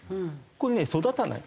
これね育たない。